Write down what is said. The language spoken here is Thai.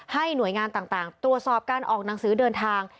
หน่วยงานต่างตรวจสอบการออกหนังสือเดินทาง